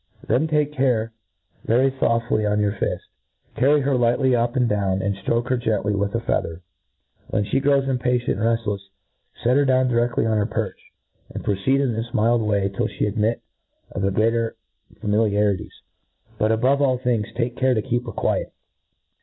Then take her ve Xy foftly on your fift, c^rry her lightly up and down, and ftroke her gently with a feather* When ihe grows impatient and refllefs, fet her direflly do^n on her perch j an4 proceed in this mild way till flie admit of greater faipjliaf itics ; l?ut, above all thing?, tal^p eve to keep her quiet.